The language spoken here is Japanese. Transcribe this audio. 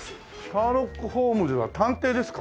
シャーロック・ホームズは探偵ですか？